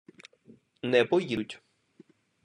не поїдуть.